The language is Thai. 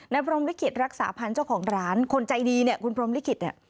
พรมลิขิตรักษาพันธ์เจ้าของร้านคนใจดีเนี่ยคุณพรมลิขิตเนี่ย